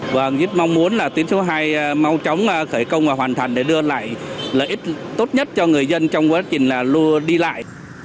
và rất mong muốn tiến số hai mau chóng khởi công và hoàn thành để đưa lại lợi ích tốt nhất cho người dân trong quá trình đi lại